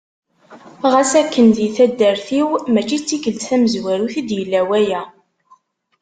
Ɣas akken di taddart-iw mačči d tikkelt tamezwarut i d-yella waya.